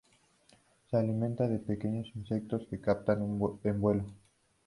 Se alimenta de pequeños insectos que captura en vuelo.